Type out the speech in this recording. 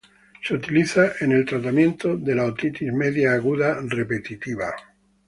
Se utiliza en el tratamiento de la otitis media aguda repetitiva.